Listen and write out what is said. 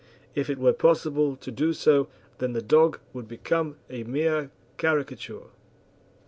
If it were possible to do so, then the dog would become a mere caricature.